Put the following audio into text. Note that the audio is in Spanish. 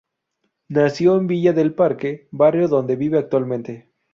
Nació en Villa del Parque, barrio donde vive actualmente.